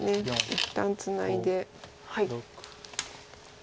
一旦ツナいで。